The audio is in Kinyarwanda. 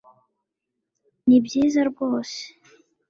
Nibyiza rwose